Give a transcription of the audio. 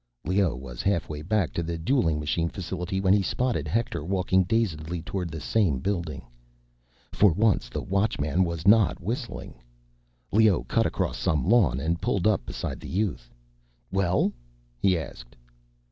_ Leoh was halfway back to the dueling machine facility when he spotted Hector walking dazedly toward the same building. For once, the Watchman was not whistling. Leoh cut across some lawn and pulled up beside the youth. "Well?" he asked.